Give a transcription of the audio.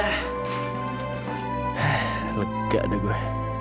hah lega dah gue